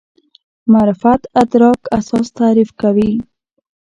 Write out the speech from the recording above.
معرفت ادراک اساس تعریف کوي.